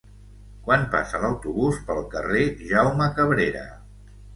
Quan passa l'autobús pel carrer Jaume Cabrera?